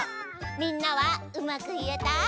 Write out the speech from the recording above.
みんなはうまくいえた？